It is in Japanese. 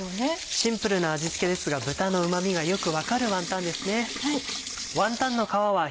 シンプルな味付けですが豚のうま味がよく分かるワンタンですね。